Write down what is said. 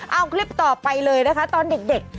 เอาคลิปต่อไปเลยนะคะตอนเด็ก